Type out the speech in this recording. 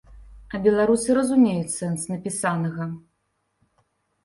А беларусы разумеюць сэнс напісанага.